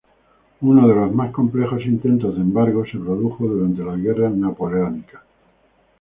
Uno de los más completos intentos de embargo se produjo durante las guerras napoleónicas.